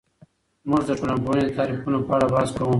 موږ د ټولنپوهنې د تعریفونو په اړه بحث کوو.